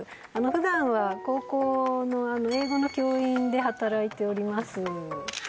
普段は高校の英語の教員で働いております